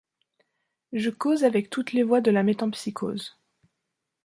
Je cause Avec toutes les voix de la métempsycose.